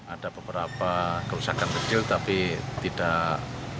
ada beberapa kerusakan kecil tapi tidak